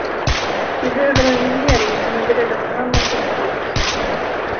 Vi behöver en regering som är beredd att ta hand om sitt folk.